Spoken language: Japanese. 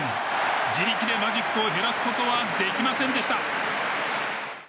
自力でマジックを減らすことはできませんでした。